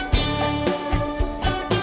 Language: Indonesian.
kamu juga sama